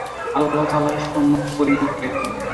আল্লাহ তাআলাই সম্যক পরিজ্ঞাত।